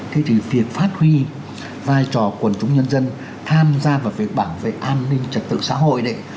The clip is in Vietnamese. thế thì việc phát huy vai trò quần chúng nhân dân tham gia vào việc bảo vệ an ninh trật tự xã hội đấy